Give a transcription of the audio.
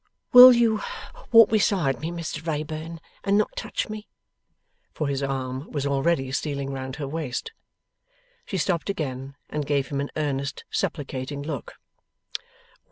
'Will you walk beside me, Mr Wrayburn, and not touch me?' For, his arm was already stealing round her waist. She stopped again, and gave him an earnest supplicating look.